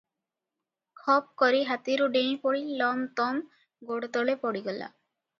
ଖପ୍ କରି ହାତୀରୁ ଡେଇଁପଡି ଲମ୍ ତମ୍ ଗୋଡ଼ତଳେ ପଡିଗଲା ।